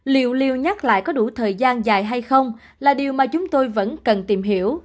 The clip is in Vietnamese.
liệu lưu nhắc lại có đủ thời gian dài hay không là điều mà chúng tôi vẫn cần tìm hiểu